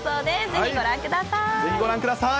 ぜひご覧ください。